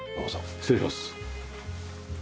失礼します。